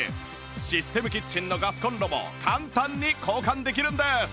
システムキッチンのガスコンロも簡単に交換できるんです！